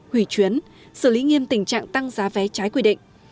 hủy chuyến xử lý nghiêm tình trạng tăng giá vé trái quy định